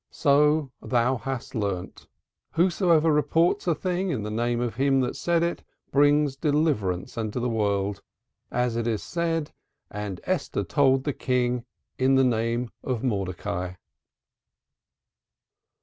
So thou hast learnt. Whosoever reports a thing in the name of him that said it brings deliverance into the world, as it is said And Esther told the King in the name of Mordecai."